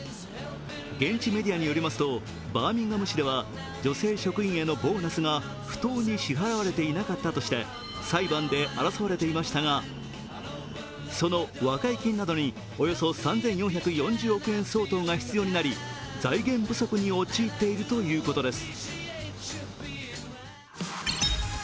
現地メディアによりますとバーミンガム市では女性職員へのボーナスが不当に支払われていなかったとして裁判で争われていましたがその和解金などにおよそ３４４０億円相当が必要になり財源不足に陥っているということです。